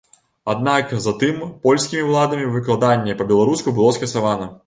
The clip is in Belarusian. Аднак затым польскімі ўладамі выкладанне па-беларуску было скасавана.